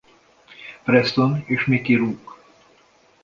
Preston és Mickey Rourke.